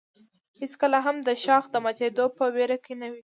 هېڅکله هم د شاخ د ماتېدو په ویره کې نه وي.